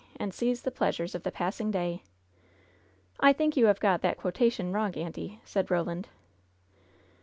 And seize the pleasures of the passing day.' " "I think you have got that quotation wrong, auntie," said Eoland.